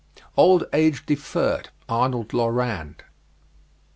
"Old Age Deferred," Arnold Lorand.